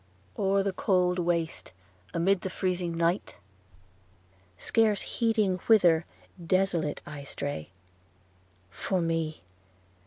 – O'er the cold waste, amid the freezing night, Scarce heeding whither, desolate I stray. For me!